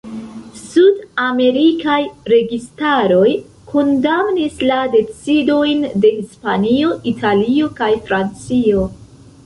Sud-amerikaj registaroj kondamnis la decidojn de Hispanio, Italio kaj Francio.